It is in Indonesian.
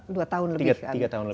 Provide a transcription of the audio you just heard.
dua tahun lebih kan tiga tahun lebih